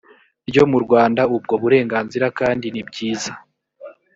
ryo mu rwanda ubwo burenganzira kandi ni byiza